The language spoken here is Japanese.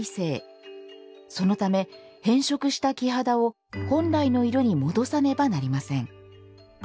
そのため変色した木肌を本来の色に戻さねばなりません。